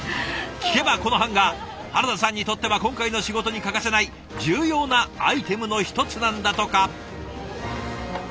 聞けばこのハンガー原田さんにとっては今回の仕事に欠かせない重要なアイテムの一つなんだとか。